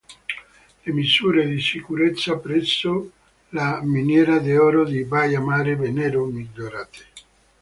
Le misure di sicurezza presso la miniera d'oro di Baia Mare vennero migliorate.